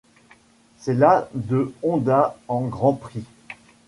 C'est la de Honda en Grand Prix.